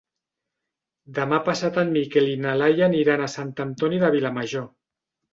Demà passat en Miquel i na Laia aniran a Sant Antoni de Vilamajor.